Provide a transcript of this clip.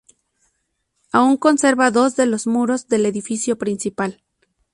Aún conserva dos de los muros del edificio principal.